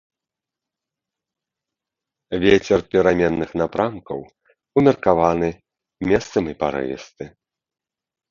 Вецер пераменных напрамкаў, умеркаваны, месцамі парывісты.